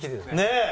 ねえ。